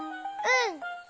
うん。